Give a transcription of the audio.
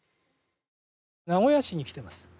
名古屋市に来てます。